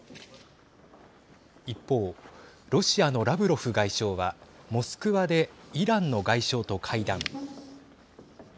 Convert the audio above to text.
一方、ロシアのラブロフ外相はモスクワでイランの外相と会談。